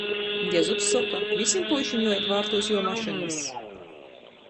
Jezups soka — vysim puišim juoīt vārtūs juo mašynys.